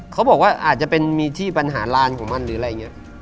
เขาบอกว่าอาจจะเป็นมีที่ปัญหาลานของมันหรืออะไรอย่างนี้